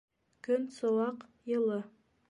Көн сыуаҡ, йылы.